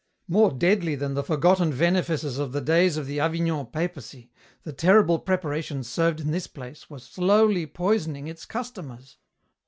"More deadly than the forgotten venefices of the days of the Avignon papacy, the terrible preparations served in this place were slowly poisoning its customers.